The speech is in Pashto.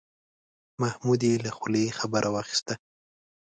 محمود یې له خولې خبره واخیسته.